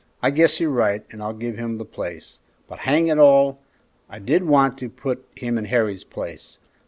"I guess you're right, and I'll give him the place; but hang it all! I did want to put him in Harry's place.